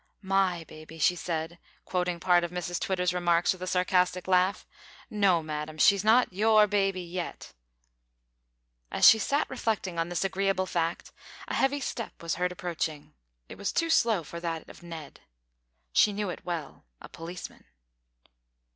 "My baby," she said, quoting part of Mrs Twitter's remarks with a sarcastic laugh, "no, madam, she's not your baby yet!" As she sat reflecting on this agreeable fact, a heavy step was heard approaching. It was too slow for that of Ned. She knew it well a policeman!